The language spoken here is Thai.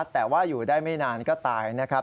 แต่ว่าอยู่ได้ไม่นานก็ตายนะครับ